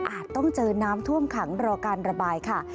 ต้องเจอน้ำท่วมขังรอการระบายค่ะ